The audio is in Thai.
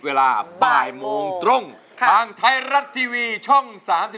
เวลาบ่ายโมงตรงทางไทยรัฐทีวีช่อง๓๒